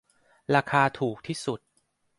ราคาถูกที่สุด